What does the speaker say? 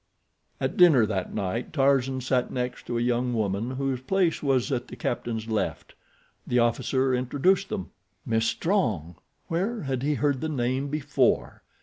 At dinner that night Tarzan sat next to a young woman whose place was at the captain's left. The officer introduced them. Miss Strong! Where had he heard the name before?